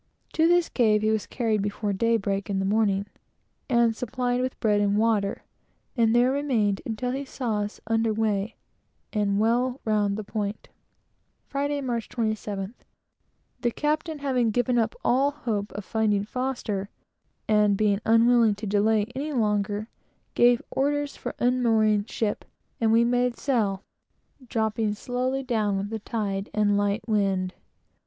To this cave he was carried before daybreak in the morning, and supplied with bread and water, and there remained until he saw us under weigh and well round the point. Friday, March 27th. The captain, having given up all hope of finding F , and being unwilling to delay any longer, gave orders for unmooring the ship, and we made sail, dropping slowly down with the tide and light wind.